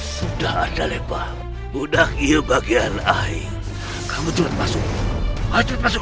sudah ada lepas mudahnya bagian air kamu cepet masuk masuk baik resi guru